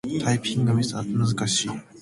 タイピングは難しい。